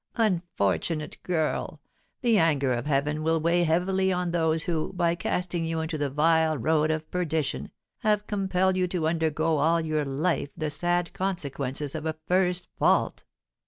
"Unfortunate girl! The anger of heaven will weigh heavily on those who, by casting you into the vile road of perdition, have compelled you to undergo all your life the sad consequences of a first fault."